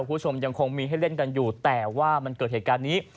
คุณผู้ชมยังคงมีให้เล่นกันอยู่แต่ว่ามันเกิดเหตุการณ์นี้